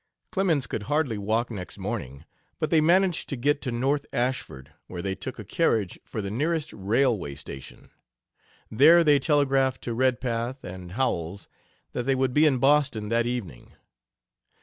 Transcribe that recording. Clemens could hardly walk next morning, but they managed to get to North Ashford, where they took a carriage for the nearest railway station. There they telegraphed to Redpath and Howells that they would be in Boston that evening.